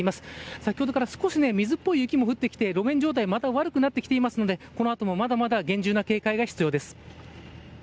先ほどから少しね、水っぽい雪も降ってきて、路面状態、また悪くなってきていますので、このあともまだまだ厳重な警戒が必要です。